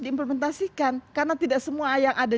diimplementasikan karena tidak semua yang ada